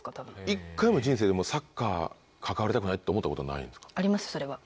一回も人生でサッカー関わりたくないって思ったことはないんですか？